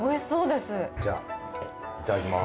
じゃいただきます。